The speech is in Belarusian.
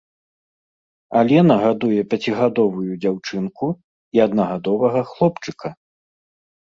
Алена гадуе пяцігадовую дзяўчынку і аднагадовага хлопчыка.